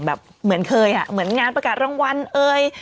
เหมือนเคยอ่ะเหมือนงานประกาศรางวัลเอ่ย